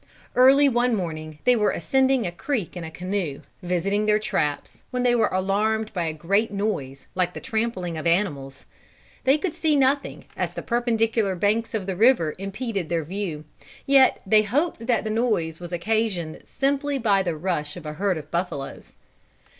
Early one morning, they were ascending a creek in a canoe, visiting their traps, when they were alarmed by a great noise, like the trampling of animals. They could see nothing, as the perpendicular banks of the river impeded their view. Yet they hoped that the noise was occasioned simply by the rush of a herd of buffaloes.